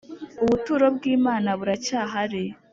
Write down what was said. ubuturo bwimana bura cyhari